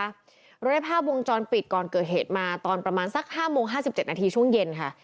ไม่หมดแล้วนะคะเราได้ภาพวงจรปิดก่อนเกิดเหตุมาตอนประมาณสักห้าโมงห้าสิบเจ็ดนาทีช่วงเย็นค่ะ